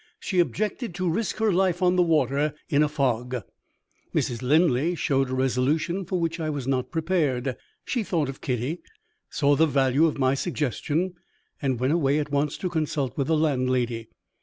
She objected to risk her life on the water, in a fog. Mrs. Linley showed a resolution for which I was not prepared. She thought of Kitty, saw the value of my suggestion, and went away at once to consult with the landlady.